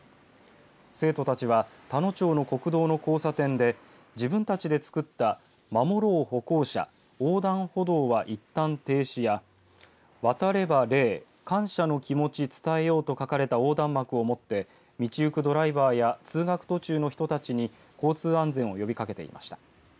生徒たちは田野町の国道の交差点で自分たちで作った守ろう歩行者横断歩行は一旦停止や渡れば礼感謝の気持ち伝えようと書かれた横断幕を持って道行くドライバーや通学途中の人たちに交通安全を呼びかけていました。